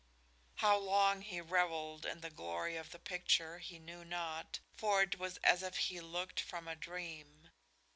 How long he revelled in the glory of the picture he knew not, for it was as if he looked from a dream.